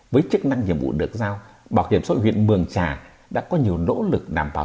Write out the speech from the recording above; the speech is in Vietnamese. với chức năng nhiệm vụ được giao bảo hiểm xã hội huyện mường trà đã có nhiều nỗ lực đảm bảo